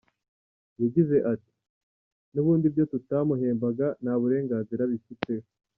Yagize ati:” Nubundi ibyo tutamuhembaga nta burenganzira abifiteho.